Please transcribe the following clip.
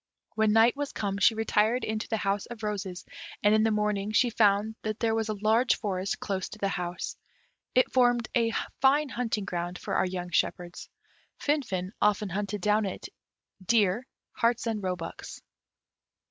When night was come, she retired into the house of roses, and in the morning she found that there was a large forest close to the house. It formed a fine hunting ground for our young shepherds. Finfin often hunted down in it deer, harts, and roebucks.